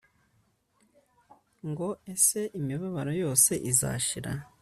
ngo ese imibabaro yose izashira